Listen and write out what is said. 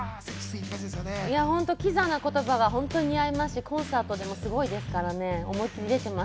キザな言葉が本当に似合いますし、コンサートでもすごいですから。